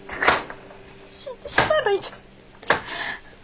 死んでしまえばいいのに